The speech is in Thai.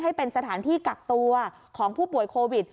ให้เป็นสถานที่กักตัวของผู้ป่วยโควิด